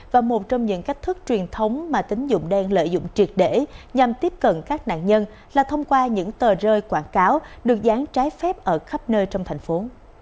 và một trong những cách thức truyền thống mà tính dụng đen lợi dụng triệt để nhằm tiếp cận các nạn nhân là thông qua những tờ rơi quảng cáo được dán trái phép ở khắp nơi trong thành phố